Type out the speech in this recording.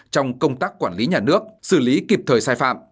trong công tác quản lý nhà nước xử lý kịp thời sai phạm